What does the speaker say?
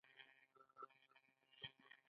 دا تر امام محمد عبده وروسته ده.